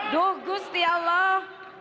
duh gusti allah